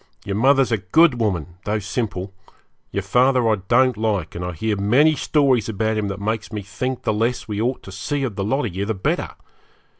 Your mother's a good woman, though simple; your father I don't like, and I hear many stories about him that makes me think the less we ought to see of the lot of you the better.